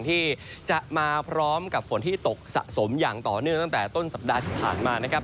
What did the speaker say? ที่จะมาพร้อมกับฝนที่ตกสะสมอย่างต่อเนื่องตั้งแต่ต้นสัปดาห์ที่ผ่านมานะครับ